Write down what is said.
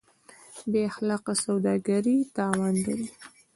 بېاخلاقه سوداګري تاوان لري.